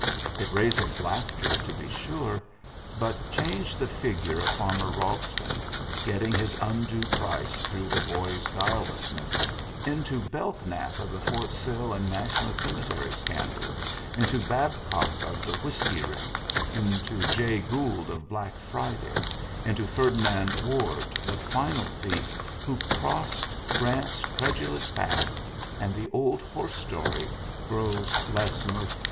It raises laughter, to be sure ; but change the figure of farmer Balston, getting his undue price through the boy's guilelessness, into Belknap of the Fort Sill and national cemetery scandals, into Babcock of the whiskey ring, into Jay Gould of Black Friday, into Ferdi nand Ward, the final thief who crossed Grants s credulous path, and the old horse story grows less mirthful.